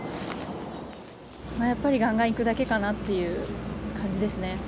がんがんいくだけかなっていう感じですね。